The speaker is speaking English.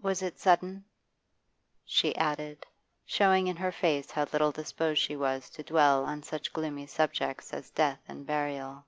Was it sudden?' she added, showing in her face how little disposed she was to dwell on such gloomy subjects as death and burial.